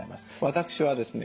私はですね